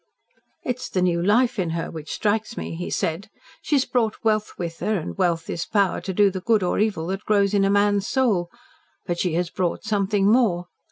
"It is the new life in her which strikes me," he said. "She has brought wealth with her, and wealth is power to do the good or evil that grows in a man's soul; but she has brought something more.